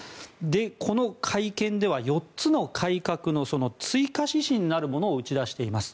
この会見では４つの改革の追加指針なるものを打ち出しています。